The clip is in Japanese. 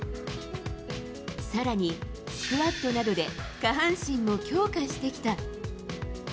さらに、スクワットなどで下半身も強化してきた。